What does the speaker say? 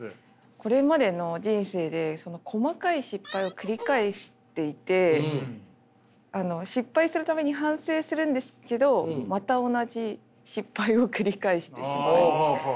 これまでの人生で細かい失敗を繰り返していて失敗する度に反省するんですけどまた同じ失敗を繰り返してしまう。